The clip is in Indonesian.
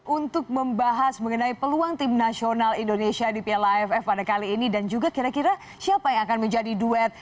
untuk membahas mengenai peluang tim nasional indonesia di piala aff pada kali ini dan juga kira kira siapa yang akan menjadi duet